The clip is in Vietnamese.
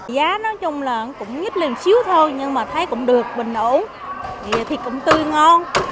giá nói chung là cũng nhít lên xíu thôi nhưng mà thấy cũng được bình ổn thì thịt cũng tươi ngon